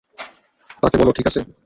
তাকে বোলো, ঠিক আছে?